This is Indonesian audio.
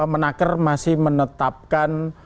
menakar masih menetapkan